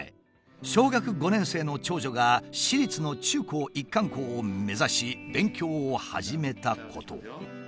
小学５年生の長女が私立の中高一貫校を目指し勉強を始めたこと。